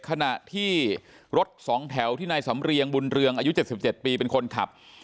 ขณะที่รถสองแถวที่นายสำเรียงบุญเรืองอายุ๗๗ปีเป็นคนขับ